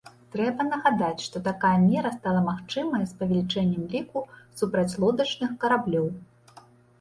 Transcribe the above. Трэба нагадаць, што такая мера стала магчымая з павелічэннем ліку супрацьлодачных караблёў.